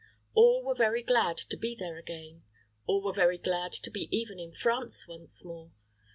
All were very glad to be there again; all were very glad to be even in France once more.